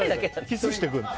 キスしてくるの。